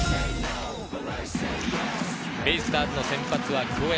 ベイスターズの先発は京山。